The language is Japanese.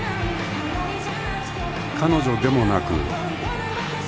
［彼女でもなく］